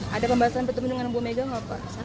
ada pembahasan bertemu dengan bu megawai enggak pak